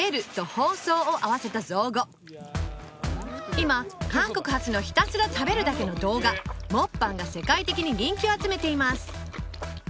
今韓国発のひたすら食べるだけの動画モッパンが世界的に人気を集めています